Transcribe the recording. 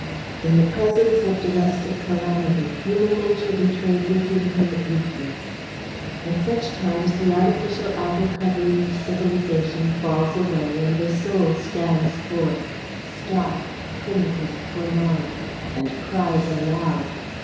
In the presence of domestic calamity human nature betrays its inherent weakness. At such times the artificial outer covering of civilization falls away, and the soul stands forth, stark, primitive, forlorn, and cries aloud.